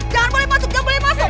jangan boleh masuk gak boleh masuk